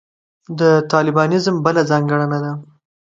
د طالبانیزم بله ځانګړنه ده.